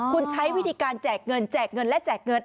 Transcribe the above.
คุณใช้วิธีการแจกเงินแจกเงินและแจกเงิน